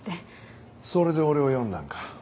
それで俺を呼んだんか。